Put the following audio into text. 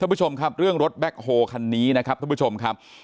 ผู้ชมครับเรื่องรถแบ็คโฮคันนี้นะครับท่านผู้ชมครับ